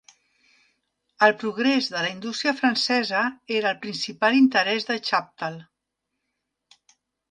El progrés de la indústria francesa era el principal interès de Chaptal.